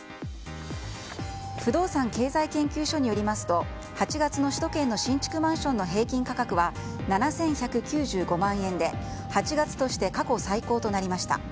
不動産経済研究所によりますと８月の首都圏の新築マンションの平均価格は７１９５万円で８月として過去最高となりました。